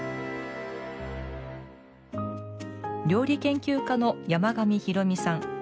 料理研究家の山上公実さん。